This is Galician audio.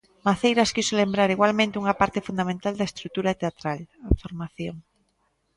Maceiras quixo lembrar igualmente unha parte fundamental da estrutura teatral: a formación.